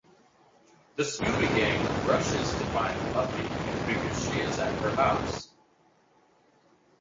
The Scooby Gang rushes to find Buffy and figures she is at her house.